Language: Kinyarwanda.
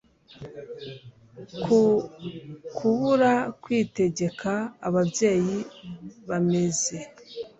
ku kubura kwitegeka Ababyeyi bameze